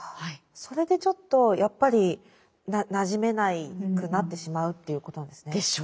それでちょっとやっぱりなじめなくなってしまうということなんですね。でしょうね。